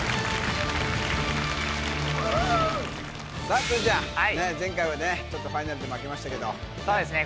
さあ鶴ちゃん前回はねファイナルで負けましたけどそうですね